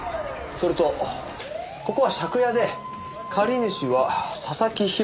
それとここは借家で借り主は佐々木広子３０歳。